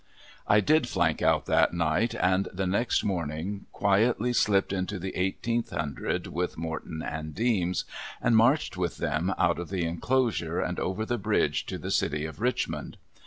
I did flank out that night and the next morning quietly slipped into the eighteenth hundred with Morton and Deems, and marched with them out of the inclosure and over the bridge to the city of Richmond.